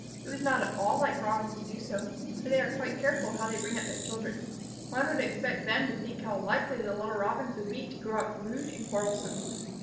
It was not at all like Robins to do so, for they are quite careful how they bring up their children. One would expect them to think how likely the little Robins would be to grow up rude and quarrelsome.